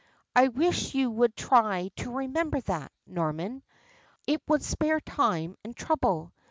"I wish you would try to remember that, Norman; it would spare time and trouble.